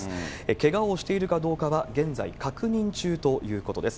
けがをしているかどうかは、現在確認中ということです。